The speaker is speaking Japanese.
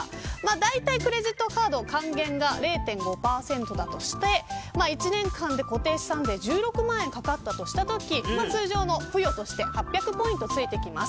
だいたいクレジットカードの還元が０．５％だとして１年間で固定資産税が１６万円かかったとしたとき通常の付与として８００ポイント付いてきます。